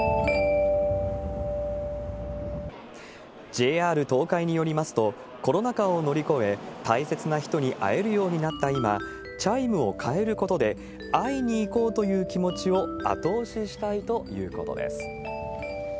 ＪＲ東海によりますと、コロナ禍を乗り越え、大切な人に会えるようになった今、チャイムを変えることで、会いに行こうという気持ちを後押ししたいということです。